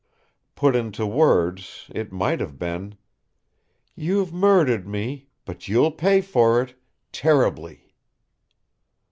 Put into words, it might have been: "You've murdered me, but you'll pay for it terribly!"